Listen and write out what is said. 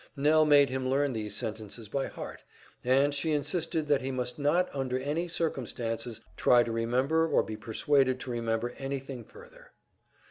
Nell made him learn these sentences by heart, and she insisted that he must not under any circumstances try to remember or be persuaded to remember anything further.